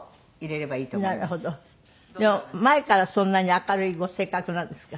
でも前からそんなに明るいご性格なんですか？